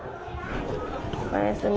おやすみ。